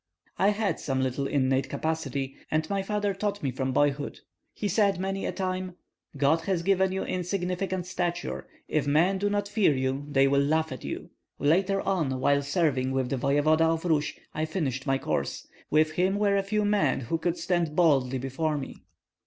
"I had some little innate capacity, and my father taught me from boyhood. He said many a time, 'God has given you insignificant stature; if men do not fear you, they will laugh at you.' Later on, while serving with the voevoda of Rus, I finished my course. With him were a few men who could stand boldly before me."